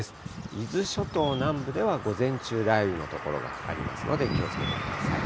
伊豆諸島南部では午前中、雷雨の所がありますので気をつけてください。